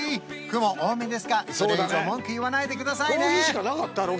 雲多めですがそれ以上文句言わないでくださいね